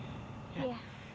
kamu gak suka sama orang kaya